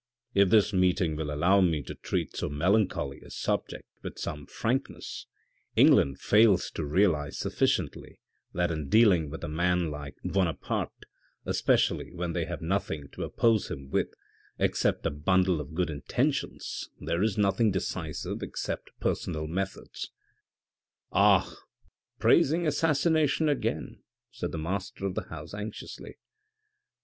If this meeting will allow me to treat so melancholy a subject with some frankness, England fails to realise sufficiently that in dealing with a man like THE DISCUSSION 387 Buonaparte, especially when they have nothing to oppose him with, except a bundle of good intentions there is nothing decisive except personal methods." " Ah ! praising assassination again !" said the master 01" the house anxiously.